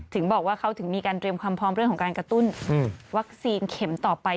ถึงบอกว่าเขาถึงมีการเตรียมความพร้อมเรื่องของการกระตุ้นวัคซีนเข็มต่อไป